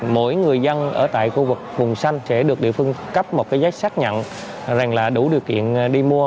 mỗi người dân ở tại khu vực vùng xanh sẽ được địa phương cấp một cái giấy xác nhận rằng là đủ điều kiện đi mua